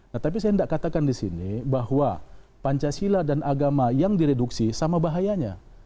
nah tapi saya tidak katakan di sini bahwa pancasila dan agama yang direduksi sama bahayanya